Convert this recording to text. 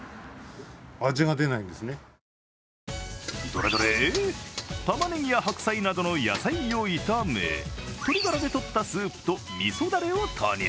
どれどれ、たまねぎや白菜などの野菜を炒め、鶏ガラで取ったスープとみそダレを投入。